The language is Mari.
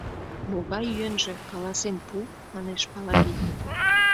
— Могай йӧнжӧ, каласен пу, — манеш Палаги.